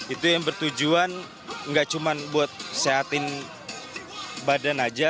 itu yang bertujuan tidak cuma untuk sehatkan badan saja